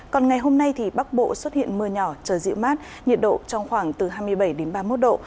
còn ngày hôm nay thì bắc bộ xuất hiện mưa nhỏ trời dịu mát nhiệt độ trong khoảng từ hai mươi bảy đến ba mươi một độ